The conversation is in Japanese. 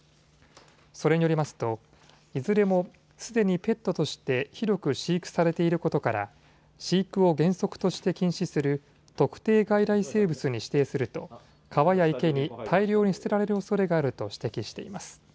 それによりますといずれもすでにペットとして広く飼育されていることから飼育を原則として禁止する特定外来生物に指定すると川や池に大量に捨てられるおそれがあると指摘しています。